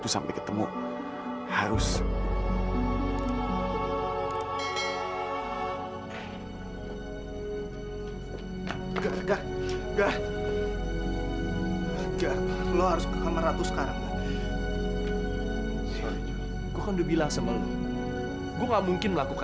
sampai kapanpun aku gak akan bisa lagi terkabur